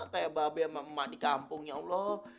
teh babi sama emak di kampung ya allah